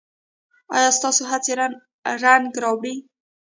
ایا ستاسو هڅې رنګ راوړي؟